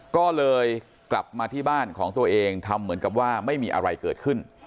ก็เลยกลับมาที่บ้านของตัวเองทำเหมือนกับว่าไม่มีอะไรเกิดขึ้น